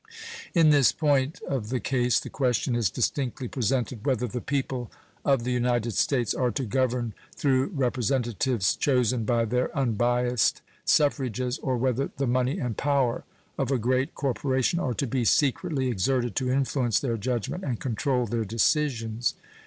In this point of the case the question is distinctly presented whether the people of the United States are to govern through representatives chosen by their unbiased suffrages or whether the money and power of a great corporation are to be secretly exerted to influence their judgment and control their decisions.